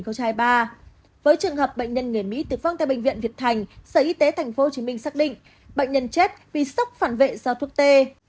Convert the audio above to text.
với trường hợp bệnh nhân người mỹ tử vong tại bệnh viện việt thành sở y tế tp hcm xác định bệnh nhân chết vì sốc phản vệ do thuốc tê